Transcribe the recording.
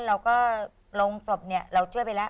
เราก็ลงศพเนี่ยเราเชื่อไปละ๒๐๐๐๐